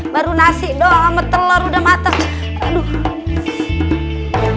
baru nasi doang sama telur udah mateng